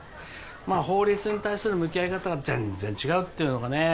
まあ法律に対する向き合い方が全然違うっていうのかね